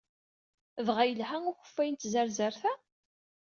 Dɣa yelha ukeffay n tzerzert-a?